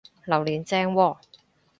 榴槤正喎！